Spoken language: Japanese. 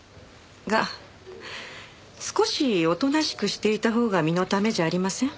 が少しおとなしくしていたほうが身のためじゃありません？